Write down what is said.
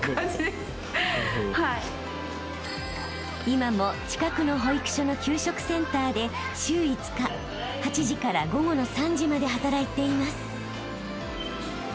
［今も近くの保育所の給食センターで週５日８時から午後の３時まで働いています］